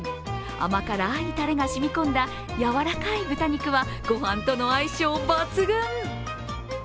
甘辛いたれがしみ込んだ、やわらかい豚肉は御飯との相性抜群。